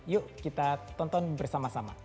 yuk kita tonton bersama sama